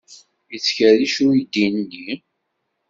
Yettkerric uydi-nni?